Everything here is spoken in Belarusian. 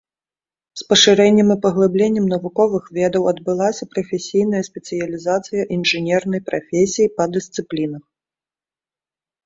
З пашырэннем і паглыбленнем навуковых ведаў адбылася прафесійная спецыялізацыя інжынернай прафесіі па дысцыплінах.